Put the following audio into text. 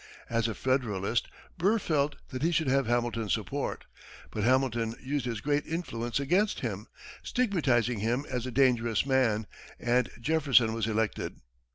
As a Federalist, Burr felt that he should have Hamilton's support, but Hamilton used his great influence against him, stigmatizing him as "a dangerous man," and Jefferson was elected.